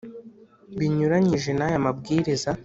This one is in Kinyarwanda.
Binyuranyije n aya mabwiriza